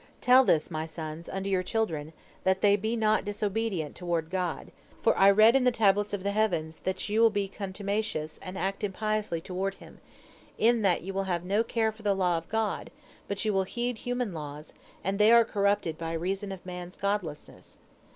Tell this, my sons, unto your children, that they be not disobedient toward God, for I read in the tablets of the heavens that you will be contumacious and act impiously toward Him, in that you will have no care for the law of God, but you will heed human laws, and they are corrupted by reason of man's godlessness.